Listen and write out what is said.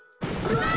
うわ！